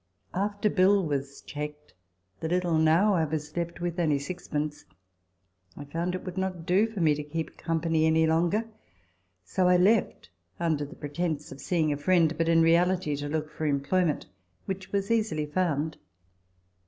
After bill was checked the little now I was left with, only six pence I found it would not do for me to keep company any longer; so 1 left under the pretence of seeing a friend, but in reality to look for employment, which was easily found.